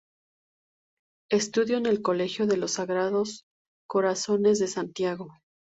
Estudió en el colegio de los Sagrados Corazones de Santiago.